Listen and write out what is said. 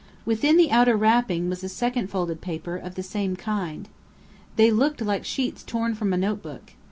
'" Within the outer wrapping was a second folded paper, of the same kind. They looked like sheets torn from a notebook.